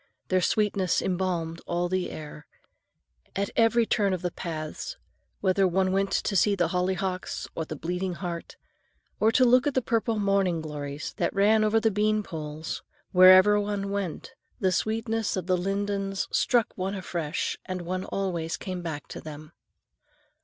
Their sweetness embalmed all the air. At every turn of the paths,—whether one went to see the hollyhocks or the bleeding heart, or to look at the purple morning glories that ran over the bean poles,—wherever one went, the sweetness of the lindens struck one afresh and one always came back to them.